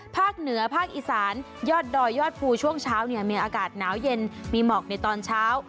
ภาคเหนือภาคอีสานยอดดอยยอดภูช่วงเช้าเนี่ยมีอากาศหนาวเย็นมีหมอกในตอนเช้า